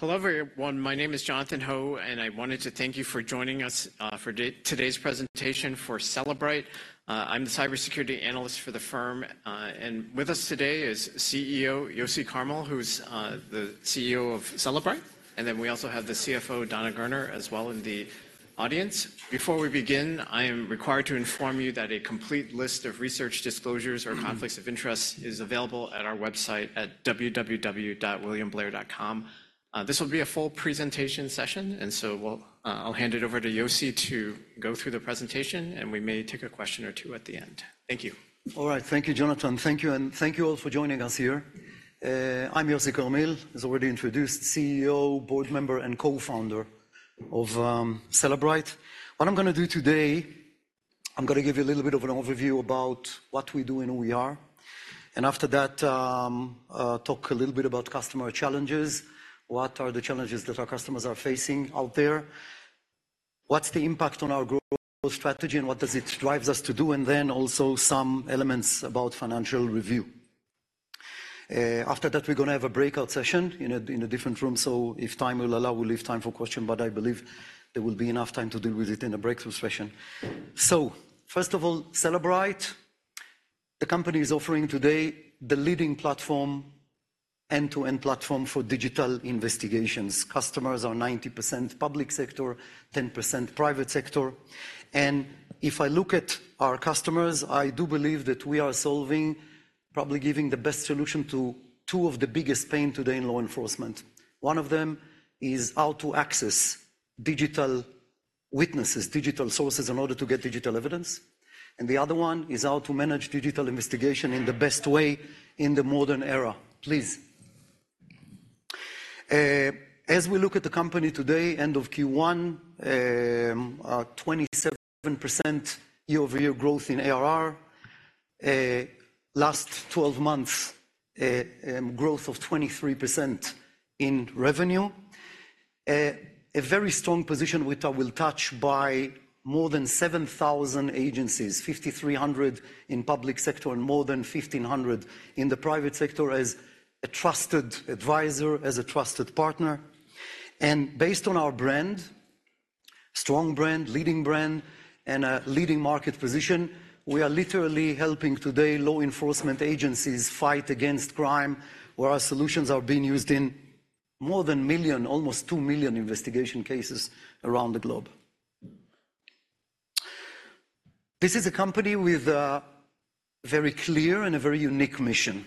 Hello, everyone. My name is Jonathan Ho, and I wanted to thank you for joining us for today's presentation for Cellebrite. I'm the cybersecurity analyst for the firm, and with us today is CEO Yossi Carmil, who's the CEO of Cellebrite. Then we also have the CFO, Dana Gerner, as well in the audience. Before we begin, I am required to inform you that a complete list of research disclosures or conflicts of interest is available at our website at www.williamblair.com. This will be a full presentation session, and so we'll. I'll hand it over to Yossi to go through the presentation, and we may take a question or two at the end. Thank you. All right, thank you, Jonathan. Thank you, and thank you all for joining us here. I'm Yossi Carmil, as already introduced, CEO, board member, and co-founder of Cellebrite. What I'm gonna do today, I'm gonna give you a little bit of an overview about what we do and who we are, and after that, talk a little bit about customer challenges. What are the challenges that our customers are facing out there? What's the impact on our growth strategy, and what does it drives us to do? And then also some elements about financial review. After that, we're gonna have a breakout session in a different room, so if time will allow, we'll leave time for question, but I believe there will be enough time to deal with it in a breakout session. So first of all, Cellebrite, the company is offering today the leading platform, end-to-end platform for digital investigations. Customers are 90% public sector, 10% private sector. And if I look at our customers, I do believe that we are solving, probably giving the best solution to 2 of the biggest pain today in law enforcement. One of them is how to access digital witnesses, digital sources, in order to get digital evidence, and the other one is how to manage digital investigation in the best way in the modern era. Please. As we look at the company today, end of Q1, 27% year-over-year growth in ARR. Last 12 months, growth of 23% in revenue. A very strong position, which I will touch by more than 7,000 agencies, 5,300 in public sector and more than 1,500 in the private sector, as a trusted advisor, as a trusted partner. And based on our brand, strong brand, leading brand, and a leading market position, we are literally helping today law enforcement agencies fight against crime, where our solutions are being used in more than 1 million, almost 2 million investigation cases around the globe. This is a company with a very clear and a very unique mission.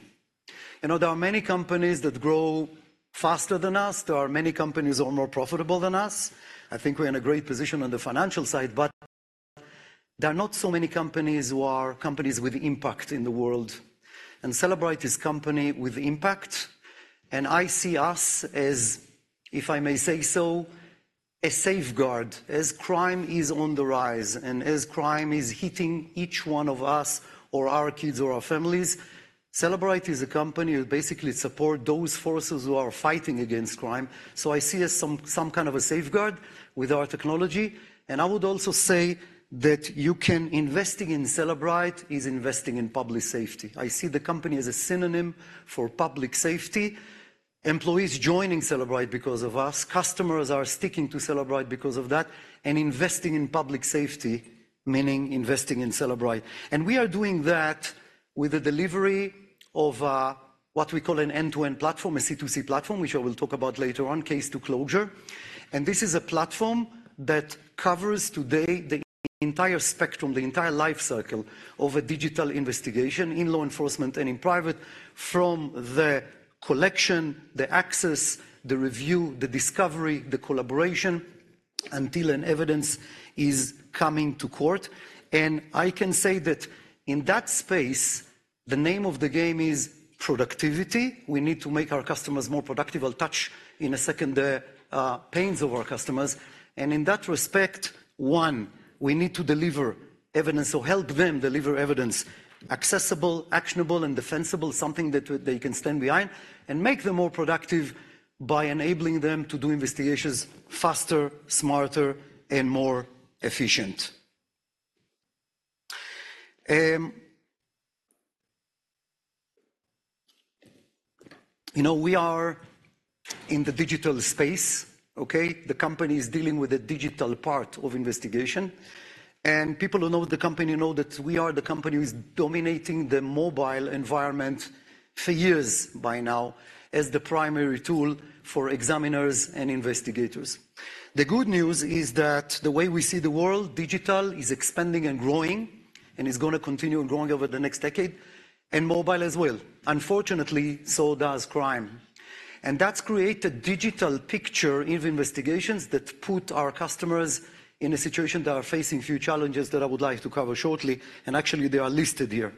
I know there are many companies that grow faster than us. There are many companies who are more profitable than us. I think we're in a great position on the financial side, but there are not so many companies who are companies with impact in the world. Cellebrite is a company with impact, and I see us as, if I may say so, a safeguard. As crime is on the rise and as crime is hitting each one of us or our kids or our families, Cellebrite is a company that basically supports those forces who are fighting against crime. So I see us as some kind of a safeguard with our technology, and I would also say that investing in Cellebrite is investing in public safety. I see the company as a synonym for public safety. Employees joining Cellebrite because of us, customers are sticking to Cellebrite because of that, and investing in public safety, meaning investing in Cellebrite. We are doing that with the delivery of what we call an end-to-end platform, a C2C platform, which I will talk about later on, case to closure. This is a platform that covers today the entire spectrum, the entire life cycle of a digital investigation in law enforcement and in private, from the collection, the access, the review, the discovery, the collaboration, until an evidence is coming to court. I can say that in that space, the name of the game is productivity. We need to make our customers more productive. I'll touch in a second, the pains of our customers. In that respect, one, we need to deliver evidence or help them deliver evidence, accessible, actionable, and defensible, something that they can stand behind, and make them more productive by enabling them to do investigations faster, smarter, and more efficient. You know, we are in the digital space, okay? The company is dealing with the digital part of investigation, and people who know the company know that we are the company who's dominating the mobile environment for years by now, as the primary tool for examiners and investigators. The good news is that the way we see the world, digital is expanding and growing, and is gonna continue growing over the next decade, and mobile as well. Unfortunately, so does crime. And that's created digital picture of investigations that put our customers in a situation that are facing few challenges that I would like to cover shortly, and actually, they are listed here.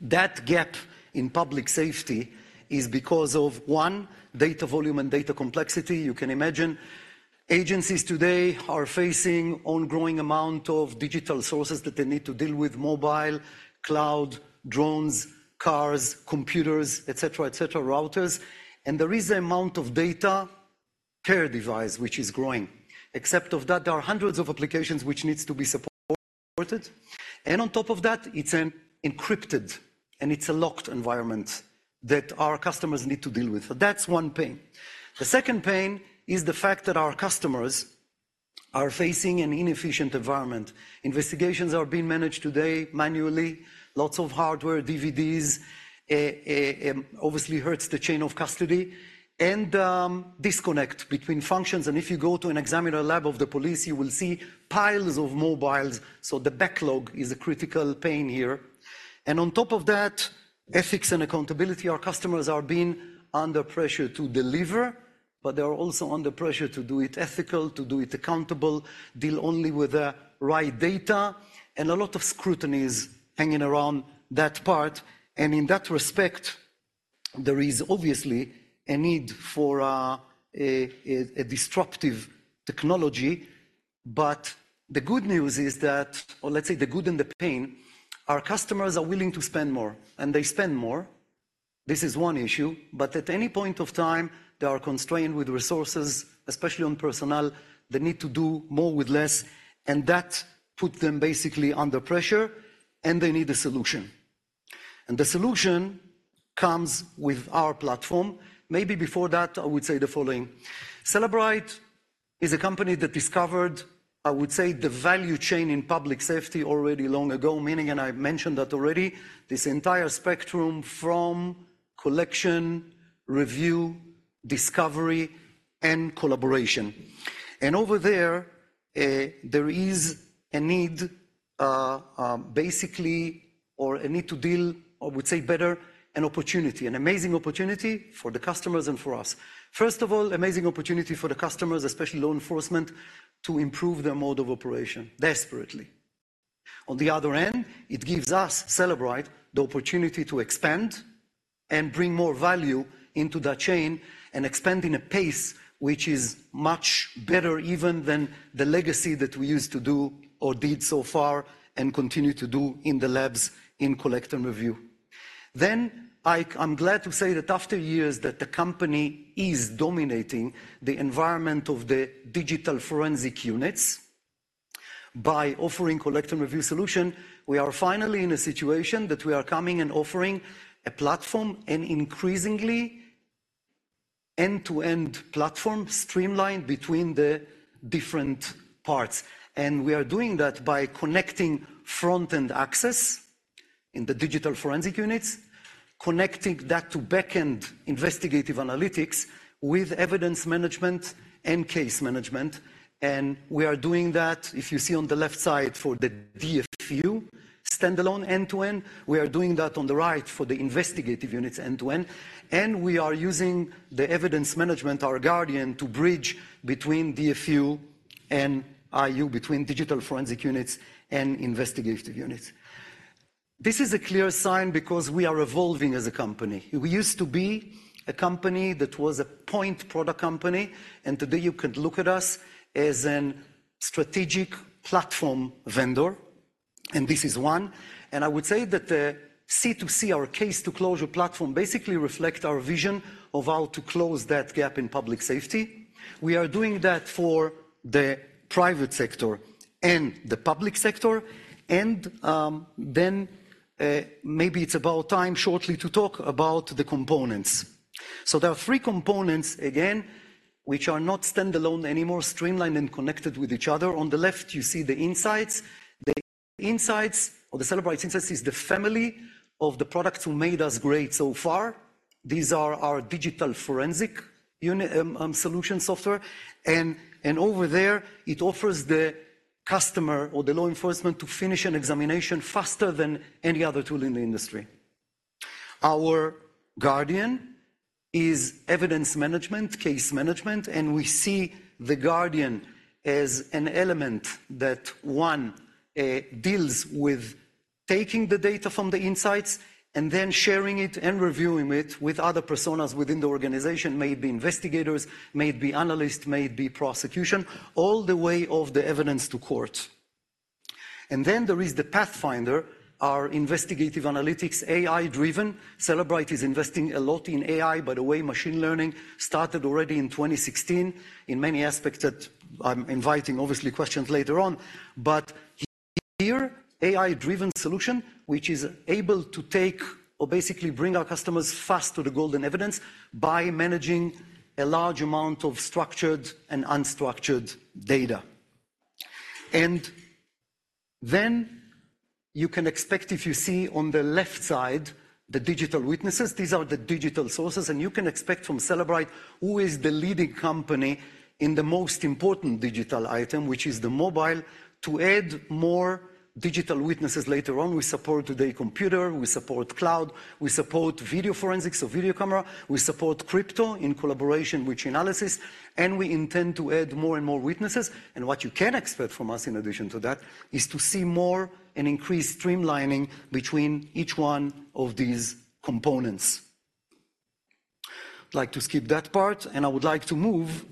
That gap in public safety is because of, one, data volume and data complexity. You can imagine agencies today are facing ongoing amount of digital sources that they need to deal with mobile, cloud, drones, cars, computers, et cetera, et cetera, routers. There is an amount of data per device, which is growing. Except of that, there are hundreds of applications which needs to be supported, important. And on top of that, it's an encrypted, and it's a locked environment that our customers need to deal with. So that's one pain. The second pain is the fact that our customers are facing an inefficient environment. Investigations are being managed today manually, lots of hardware, DVDs, obviously hurts the chain of custody and disconnect between functions. And if you go to an examiner lab of the police, you will see piles of mobiles. So the backlog is a critical pain here. And on top of that, ethics and accountability. Our customers are being under pressure to deliver, but they are also under pressure to do it ethical, to do it accountable, deal only with the right data, and a lot of scrutiny is hanging around that part. In that respect, there is obviously a need for a disruptive technology. The good news is that, or let's say the good and the pain, our customers are willing to spend more, and they spend more. This is one issue, but at any point of time, they are constrained with resources, especially on personnel. They need to do more with less, and that put them basically under pressure, and they need a solution. The solution comes with our platform. Maybe before that, I would say the following: Cellebrite is a company that discovered, I would say, the value chain in public safety already long ago, meaning, and I've mentioned that already, this entire spectrum from collection, review, discovery, and collaboration. And over there, there is a need, basically, or a need to deal, I would say better, an opportunity, an amazing opportunity for the customers and for us. First of all, amazing opportunity for the customers, especially law enforcement, to improve their mode of operation, desperately. On the other hand, it gives us, Cellebrite, the opportunity to expand and bring more value into that chain and expand in a pace which is much better even than the legacy that we used to do or did so far and continue to do in the labs in collect and review. Then, I'm glad to say that after years, that the company is dominating the environment of the digital forensic units by offering collect and review solution. We are finally in a situation that we are coming and offering a platform, an increasingly end-to-end platform, streamlined between the different parts. And we are doing that by connecting front-end access in the digital forensic units, connecting that to back-end investigative analytics with evidence management and case management. And we are doing that, if you see on the left side, for the DFU, standalone end-to-end. We are doing that on the right for the investigative units, end-to-end. And we are using the evidence management, our Guardian, to bridge between DFU and IU, between digital forensic units and investigative units. This is a clear sign because we are evolving as a company. We used to be a company that was a point product company, and today you can look at us as an strategic platform vendor, and this is one. And I would say that the C2C, our case to closure platform, basically reflect our vision of how to close that gap in public safety. We are doing that for the private sector and the public sector. Then, maybe it's about time shortly to talk about the components. There are three components, again, which are not standalone anymore, streamlined and connected with each other. On the left, you see the Inseyets. The Inseyets or the Cellebrite Inseyets is the family of the products who made us great so far. These are our digital forensic solution software. And over there, it offers the customer or the law enforcement to finish an examination faster than any other tool in the industry. Our Guardian is evidence management, case management, and we see the Guardian as an element that, one, deals with taking the data from the Inseyets and then sharing it and reviewing it with other personas within the organization, may be investigators, may be analysts, may be prosecution, all the way of the evidence to court. And then there is the Pathfinder, our investigative analytics, AI-driven. Cellebrite is investing a lot in AI. By the way, machine learning started already in 2016 in many aspects that I'm inviting, obviously, questions later on. But here, AI-driven solution, which is able to take or basically bring our customers fast to the golden evidence by managing a large amount of structured and unstructured data. Then you can expect, if you see on the left side, the digital witnesses, these are the digital sources, and you can expect from Cellebrite, who is the leading company in the most important digital item, which is the mobile, to add more digital witnesses later on. We support today computer, we support cloud, we support video forensics or video camera, we support crypto in collaboration with Chainalysis, and we intend to add more and more witnesses. And what you can expect from us, in addition to that, is to see more and increased streamlining between each one of these components. I'd like to skip that part, and I would like to move...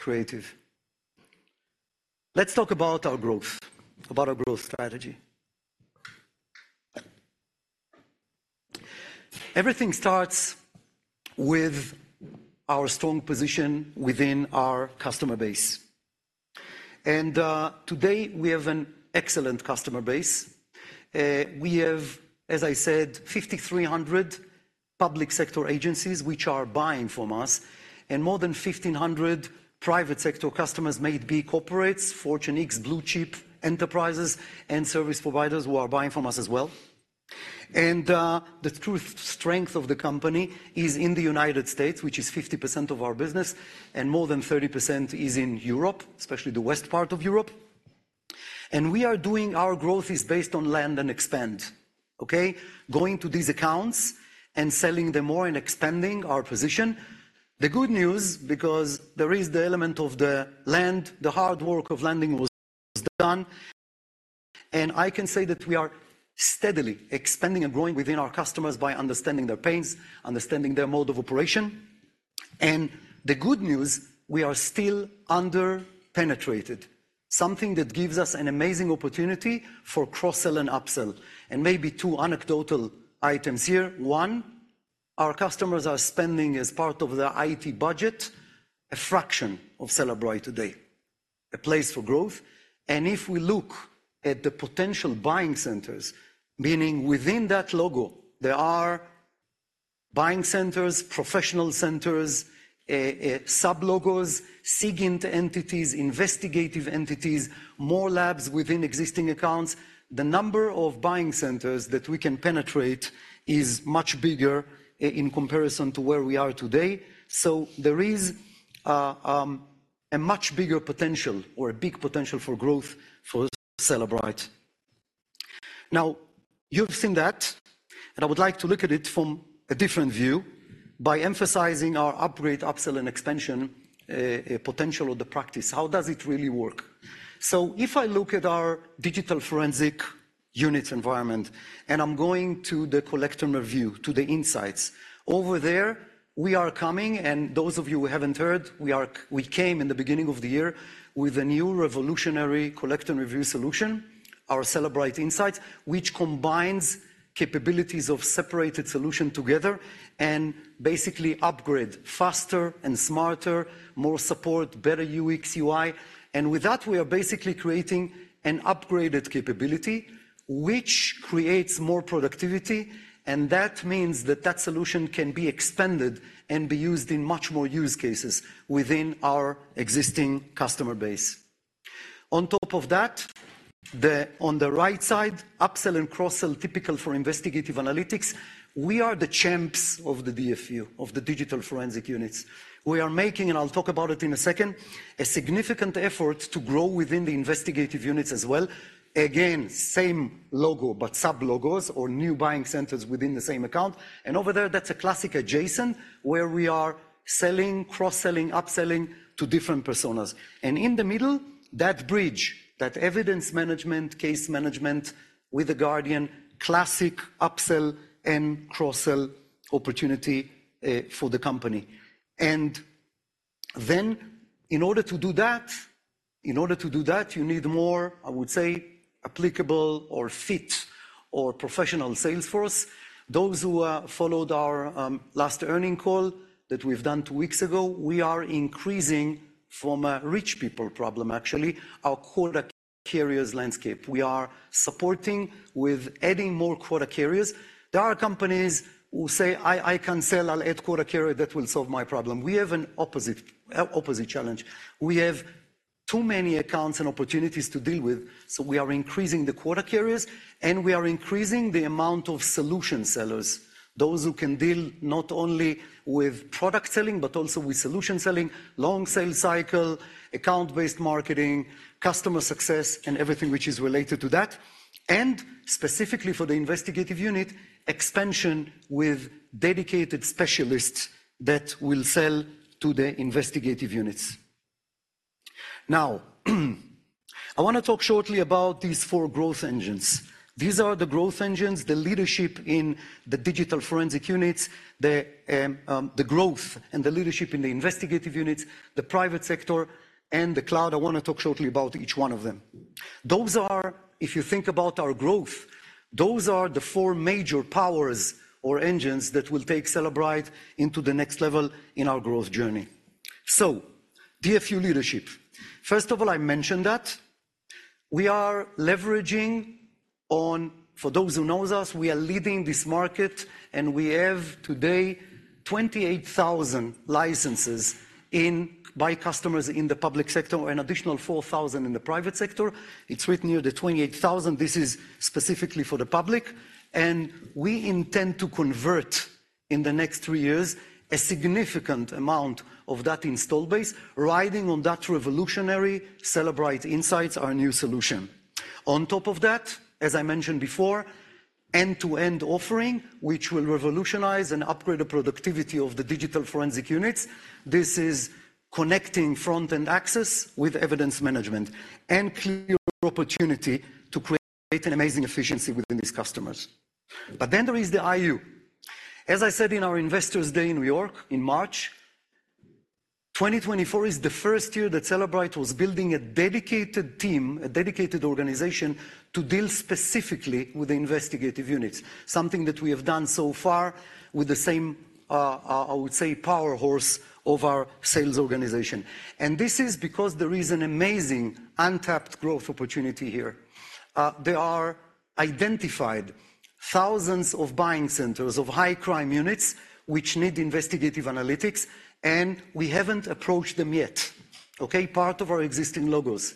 Creative. Let's talk about our growth, about our growth strategy. Everything starts with our strong position within our customer base. Today, we have an excellent customer base. We have, as I said, 5,300 public sector agencies which are buying from us, and more than 1,500 private sector customers, may it be corporates, Fortune 500, blue-chip enterprises, and service providers who are buying from us as well. The true strength of the company is in the United States, which is 50% of our business, and more than 30% is in Europe, especially the west part of Europe. And we are doing our growth is based on land and expand, okay? Going to these accounts and selling them more and expanding our position. The good news, because there is the element of the land, the hard work of landing was done. And I can say that we are steadily expanding and growing within our customers by understanding their pains, understanding their mode of operation. And the good news, we are still under-penetrated, something that gives us an amazing opportunity for cross-sell and upsell. And maybe two anecdotal items here: One, our customers are spending, as part of their IT budget, a fraction of Cellebrite today, a place for growth. And if we look at the potential buying centers, meaning within that logo, there are buying centers, professional centers, sub-logos, SIGINT entities, investigative entities, more labs within existing accounts. The number of buying centers that we can penetrate is much bigger in comparison to where we are today. So there is a much bigger potential or a big potential for growth for Cellebrite. Now, you've seen that, and I would like to look at it from a different view by emphasizing our upgrade, upsell, and expansion potential of the practice. How does it really work? So if I look at our digital forensic unit environment, and I'm going to the collect and review, to the Inseyets. Over there, we are coming, and those of you who haven't heard, we came in the beginning of the year with a new revolutionary collect and review solution, our Cellebrite Inseyets, which combines capabilities of separated solution together and basically upgrade faster and smarter, more support, better UX, UI. And with that, we are basically creating an upgraded capability, which creates more productivity, and that means that that solution can be expanded and be used in much more use cases within our existing customer base. On top of that, the... on the right side, upsell and cross-sell, typical for investigative analytics. We are the champs of the DFU, of the digital forensic units. We are making, and I'll talk about it in a second, a significant effort to grow within the investigative units as well. Again, same logo, but sub-logos or new buying centers within the same account. And over there, that's a classic adjacent, where we are selling, cross-selling, upselling to different personas. And in the middle, that bridge, that evidence management, case management with the Guardian, classic upsell and cross-sell opportunity for the company. And then in order to do that, in order to do that, you need more, I would say, applicable or fit or professional sales force. Those who followed our last earnings call that we've done two weeks ago, we are increasing from a rich people problem, actually, our quota carriers landscape. We are supporting with adding more quota carriers. There are companies who say, "I can sell. I'll add quota carrier. That will solve my problem." We have an opposite challenge. We have too many accounts and opportunities to deal with, so we are increasing the quota carriers, and we are increasing the amount of solution sellers, those who can deal not only with product selling, but also with solution selling, long sales cycle, account-based marketing, customer success, and everything which is related to that, and specifically for the investigative unit, expansion with dedicated specialists that will sell to the investigative units. Now, I wanna talk shortly about these four growth engines. These are the growth engines, the leadership in the digital forensic units, the growth and the leadership in the investigative units, the private sector, and the cloud. I wanna talk shortly about each one of them. Those are... If you think about our growth, those are the four major powers or engines that will take Cellebrite into the next level in our growth journey. So DFU leadership. First of all, I mentioned that we are leveraging on— For those who knows us, we are leading this market, and we have today 28,000 licenses by customers in the public sector, or an additional 4,000 in the private sector. It's written here, the 28,000. This is specifically for the public, and we intend to convert, in the next 3 years, a significant amount of that install base, riding on that revolutionary Cellebrite Inseyets, our new solution. On top of that, as I mentioned before, end-to-end offering, which will revolutionize and upgrade the productivity of the digital forensic units. This is connecting front-end access with evidence management and clear opportunity to create an amazing efficiency within these customers. But then there is the IU. As I said in our Investors Day in New York in March, 2024 is the first year that Cellebrite was building a dedicated team, a dedicated organization, to deal specifically with the investigative units, something that we have done so far with the same, I would say, workhorse of our sales organization. And this is because there is an amazing untapped growth opportunity here. There are identified thousands of buying centers of high crime units which need investigative analytics, and we haven't approached them yet, okay? Part of our existing logos.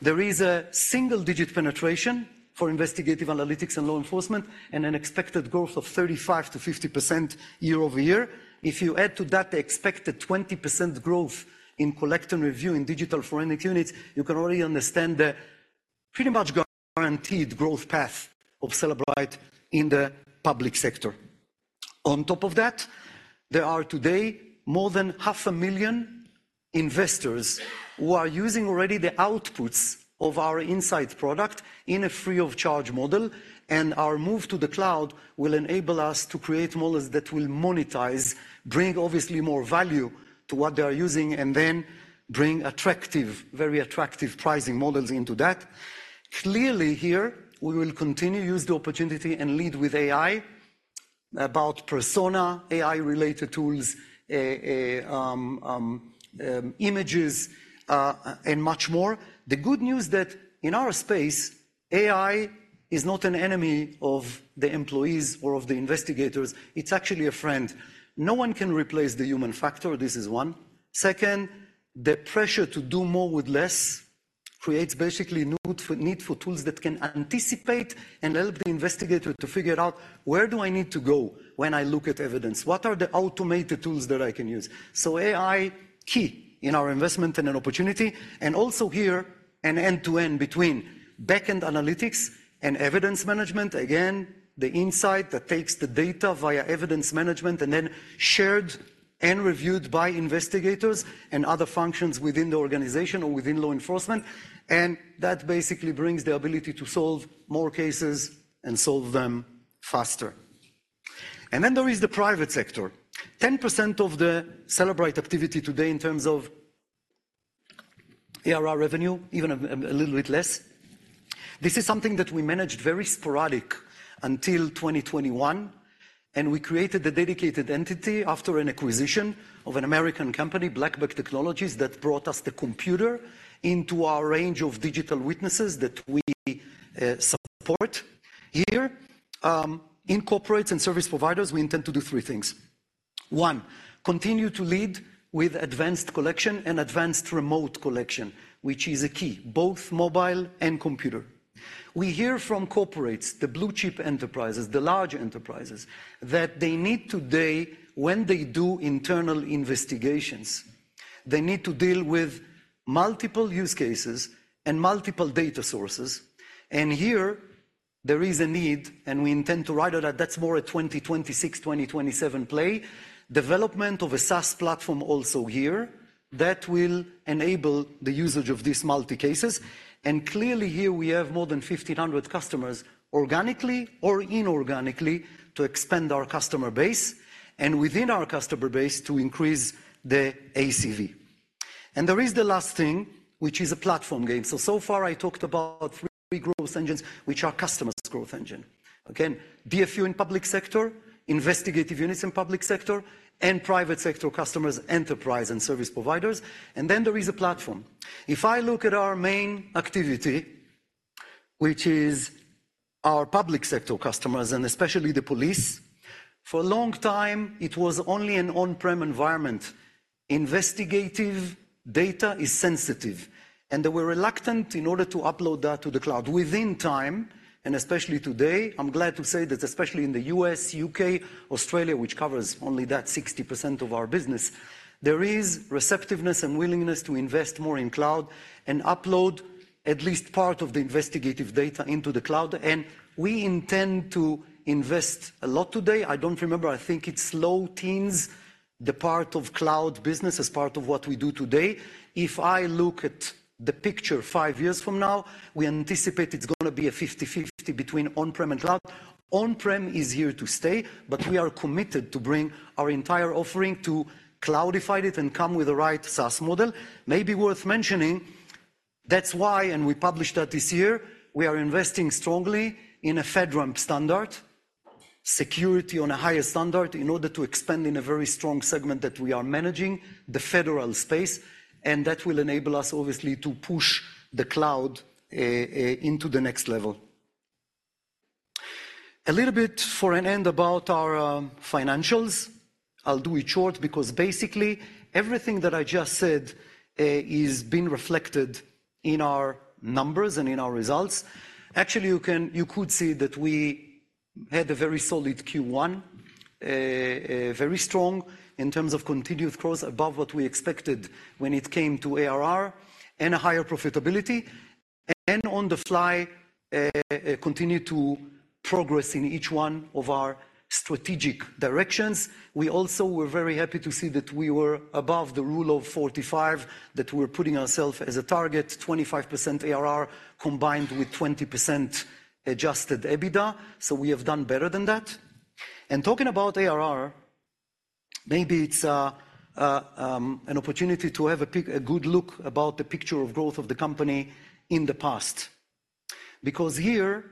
There is a single-digit penetration for investigative analytics and law enforcement, and an expected growth of 35%-50% year-over-year. If you add to that the expected 20% growth in collect and review in digital forensic units, you can already understand the pretty much guaranteed growth path of Cellebrite in the public sector. On top of that, there are today more than 500,000 investors who are using already the outputs of our Inseyets product in a free-of-charge model, and our move to the cloud will enable us to create models that will monetize, bring obviously more value to what they are using, and then bring attractive, very attractive pricing models into that. Clearly, here, we will continue to use the opportunity and lead with AI about persona AI-related tools, images, and much more. The good news that in our space, AI is not an enemy of the employees or of the investigators. It's actually a friend. No one can replace the human factor, this is one. Second, the pressure to do more with less creates basically need for, need for tools that can anticipate and help the investigator to figure out, where do I need to go when I look at evidence? What are the automated tools that I can use? So AI, key in our investment and an opportunity, and also here, an end-to-end between backend analytics and evidence management. Again, the Inseyets that takes the data via evidence management, and then shared and reviewed by investigators and other functions within the organization or within law enforcement, and that basically brings the ability to solve more cases and solve them faster. And then there is the private sector. 10% of the Cellebrite activity today in terms of ARR revenue, even a little bit less. This is something that we managed very sporadic until 2021, and we created a dedicated entity after an acquisition of an American company, BlackBag Technologies, that brought us the computer into our range of digital witnesses that we support. Here, in corporates and service providers, we intend to do three things: one, continue to lead with advanced collection and advanced remote collection, which is a key, both mobile and computer. We hear from corporates, the blue-chip enterprises, the large enterprises, that they need today, when they do internal investigations, they need to deal with multiple use cases and multiple data sources. And here there is a need, and we intend to ride on that. That's more a 2026, 2027 play. Development of a SaaS platform also here, that will enable the usage of these multi cases. And clearly, here we have more than 1,500 customers, organically or inorganically, to expand our customer base, and within our customer base, to increase the ACV. And there is the last thing, which is a platform game. So, so far, I talked about three growth engines, which are customers growth engine. Again, DFU in public sector, investigative units in public sector, and private sector customers, enterprise and service providers. And then there is a platform. If I look at our main activity, which is our public sector customers, and especially the police, for a long time, it was only an on-prem environment. Investigative data is sensitive, and they were reluctant in order to upload that to the cloud. Within time, and especially today, I'm glad to say that especially in the U.S., U.K., Australia, which covers only that 60% of our business, there is receptiveness and willingness to invest more in cloud and upload at least part of the investigative data into the cloud, and we intend to invest a lot today. I don't remember, I think it's low teens, the part of cloud business as part of what we do today. If I look at the picture 5 years from now, we anticipate it's gonna be a 50/50 between on-prem and cloud. On-prem is here to stay, but we are committed to bring our entire offering to cloudify it and come with the right SaaS model. Maybe worth mentioning, that's why, and we published that this year, we are investing strongly in a FedRAMP standard, security on a higher standard, in order to expand in a very strong segment that we are managing, the federal space, and that will enable us, obviously, to push the cloud into the next level. A little bit for an end about our financials. I'll do it short because basically everything that I just said is being reflected in our numbers and in our results. Actually, you could see that we had a very solid Q1. Very strong in terms of continuous growth, above what we expected when it came to ARR and a higher profitability, and on the fly continued to progress in each one of our strategic directions. We also were very happy to see that we were above the Rule of 45, that we were putting ourselves as a target, 25% ARR, combined with 20% adjusted EBITDA. So we have done better than that. And talking about ARR, maybe it's an opportunity to have a good look about the picture of growth of the company in the past. Because here,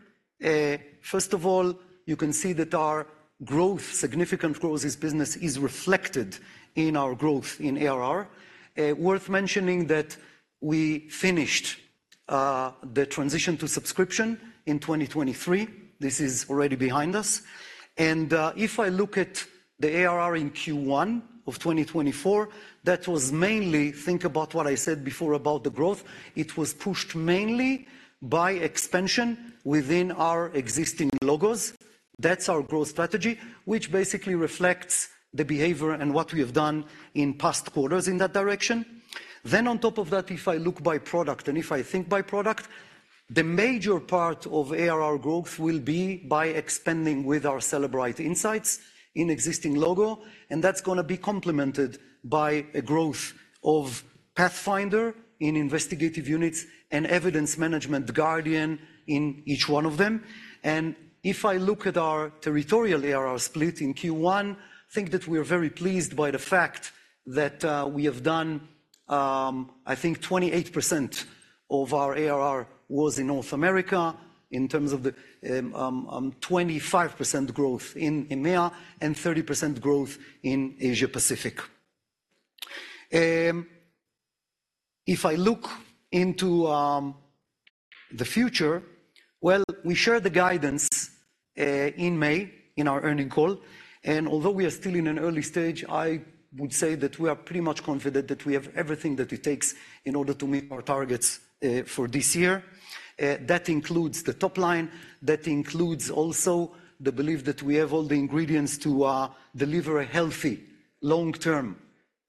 first of all, you can see that our growth, significant growth, this business is reflected in our growth in ARR. Worth mentioning that we finished the transition to subscription in 2023. This is already behind us. And if I look at the ARR in Q1 of 2024, that was mainly... Think about what I said before about the growth. It was pushed mainly by expansion within our existing logos. That's our growth strategy, which basically reflects the behavior and what we have done in past quarters in that direction. Then on top of that, if I look by product, and if I think by product, the major part of ARR growth will be by expanding with our Cellebrite Inseyets in existing logo, and that's gonna be complemented by a growth of Pathfinder in investigative units and evidence management, Guardian, in each one of them. And if I look at our territorial ARR split in Q1, I think that we are very pleased by the fact that we have done, I think 28% of our ARR was in North America in terms of the twenty-five percent growth in EMEA and 30% growth in Asia Pacific. If I look into the future, well, we shared the guidance in May, in our earnings call, and although we are still in an early stage, I would say that we are pretty much confident that we have everything that it takes in order to meet our targets for this year. That includes the top line. That includes also the belief that we have all the ingredients to deliver a healthy long-term,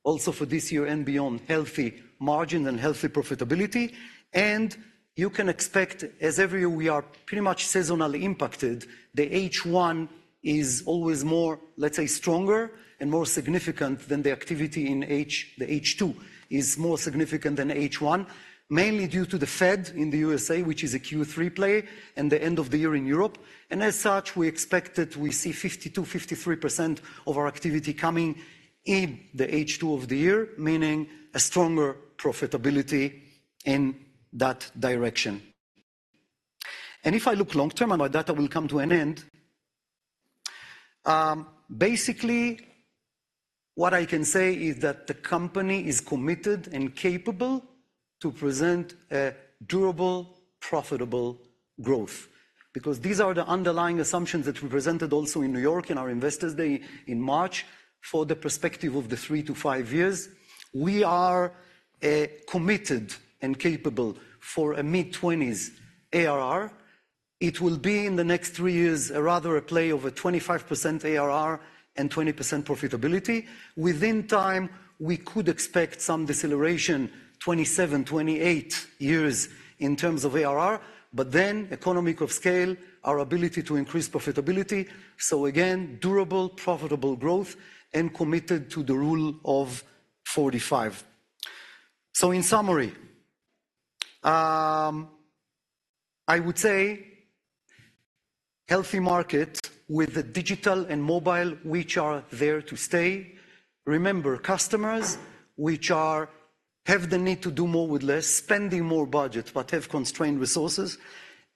also for this year and beyond, healthy margin and healthy profitability. And you can expect, as every year, we are pretty much seasonally impacted, the H1 is always more, let's say, stronger and more significant than the activity in H2. The H2 is more significant than H1, mainly due to the Fed in the USA, which is a Q3 play, and the end of the year in Europe. And as such, we expect that we see 52%-53% of our activity coming in the H2 of the year, meaning a stronger profitability in that direction. And if I look long term, and by that I will come to an end, basically, what I can say is that the company is committed and capable to present a durable, profitable growth, because these are the underlying assumptions that we presented also in New York, in our Investors Day in March, for the perspective of the 3-5 years. We are committed and capable for a mid-20s ARR. It will be, in the next 3 years, a rather a play of a 25% ARR and 20% profitability. Within time, we could expect some deceleration, 27-28 years in terms of ARR, but then economies of scale, our ability to increase profitability, so again, durable, profitable growth and committed to the rule of 45. So in summary, I would say healthy market with the digital and mobile, which are there to stay. Remember, customers which have the need to do more with less, spending more budget, but have constrained resources.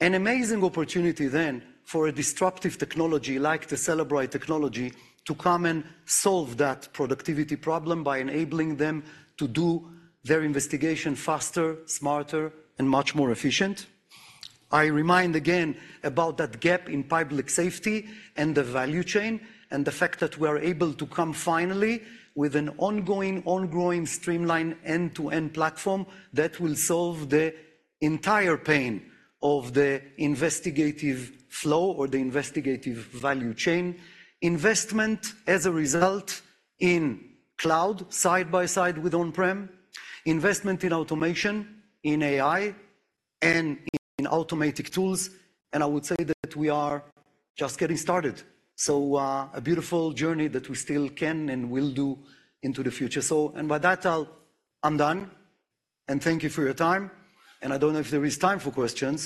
An amazing opportunity then for a disruptive technology like the Cellebrite technology, to come and solve that productivity problem by enabling them to do their investigation faster, smarter, and much more efficient. I remind again about that gap in public safety and the value chain, and the fact that we are able to come finally with an ongoing, ongoing streamlined end-to-end platform that will solve the entire pain of the investigative flow or the investigative value chain. Investment as a result in cloud, side by side with on-prem, investment in automation, in AI, and in automatic tools, and I would say that we are just getting started. So, a beautiful journey that we still can and will do into the future. So, and by that, I'll... I'm done, and thank you for your time, and I don't know if there is time for questions?